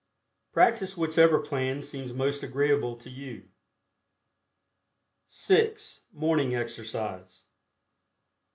Practice whichever plan seems most agreeable to you. (6) MORNING EXERCISE.